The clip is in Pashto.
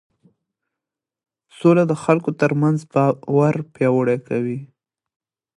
سوله د خلکو ترمنځ باور پیاوړی کوي